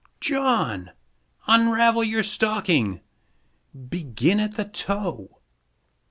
John! Unravel your stocking! Begin at the toe!"